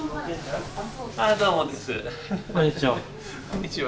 こんにちは。